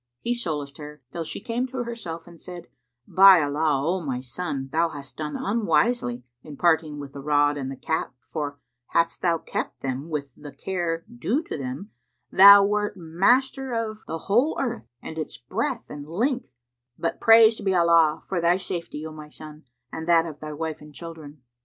He solaced her, till she came to herself and said, "By Allah, O my son, thou hast done unwisely in parting with the rod and the cap for, hadst thou kept them with the care due to them, thou wert master of the whole earth, in its breadth and length; but praised be Allah, for thy safety, O my son, and that of thy wife and children!"